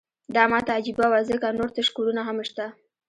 دا ماته عجیبه وه ځکه نور تش کورونه هم شته